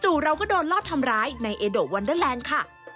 เราก็โดนลอดทำร้ายในเอโดวันเดอร์แลนด์ค่ะ